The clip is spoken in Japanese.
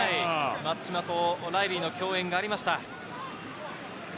松島とライリーの共演がありました。